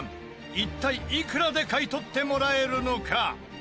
一体、いくらで買い取ってもらえるのか？